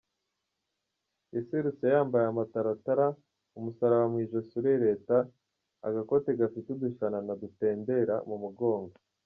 Yaserutse yambaye amataratara, umusaraba mu ijosi urereta, agakote gafite udushanana dutendera mu mugongo.